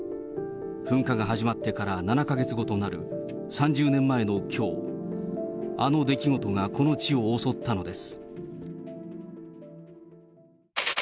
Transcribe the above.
噴火が始まってから７か月後となる３０年前のきょう、あの出来事が、この地を襲ったのです。